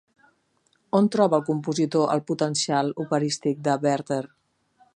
On troba el compositor el potencial operístic de Werther?